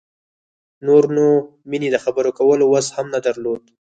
نور نو مينې د خبرو کولو وس هم نه درلود.